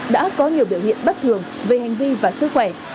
đã có nhiều biểu hiện bất thường về hành vi và sức khỏe